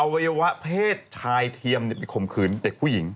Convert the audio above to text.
วัยวะเพศชายเทียมไปข่มขืนเด็กผู้หญิง